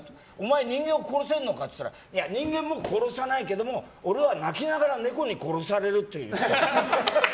人間を殺せるのかって言ったら人間も殺さないけど俺は泣きながらネコに殺されるって。